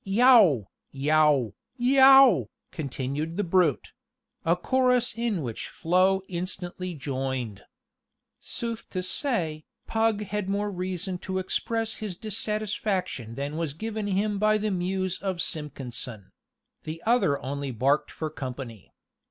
Yow! yow! yow! continued the brute a chorus in which Flo instantly joined. Sooth to say, pug had more reason to express his dissatisfaction than was given him by the muse of Simpkinson; the other only barked for company.